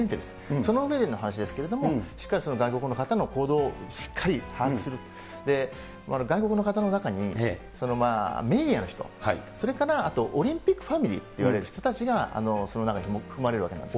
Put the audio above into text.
その上での話ですけれども、しっかり外国の方の行動をしっかり把握する、外国の方の中に、メディアの人、それからあとオリンピックファミリーっていわれる人がその中に含まれるわけです。